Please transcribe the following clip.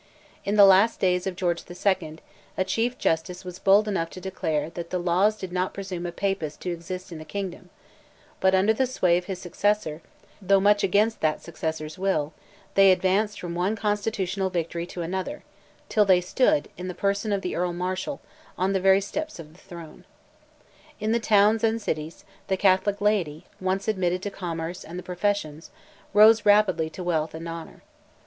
In the last days of George II., a Chief Justice was bold enough to declare that "the laws did not presume a Papist to exist in the kingdom;" but under the sway of his successor, though much against that successor's will, they advanced from one constitutional victory to another, till they stood, in the person of the Earl Marshal, on the very steps of the throne. In the towns and cities, the Catholic laity, once admitted to commerce and the professions, rose rapidly to wealth and honour.